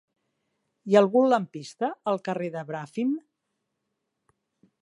Hi ha algun lampista al carrer de Bràfim?